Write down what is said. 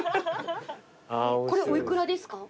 これお幾らですか？